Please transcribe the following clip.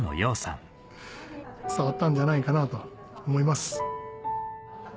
伝わったんじゃないんかなとは思います。